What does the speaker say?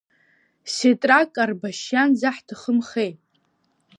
Сетрак Карбашьиан дзаҳҭахымхеи?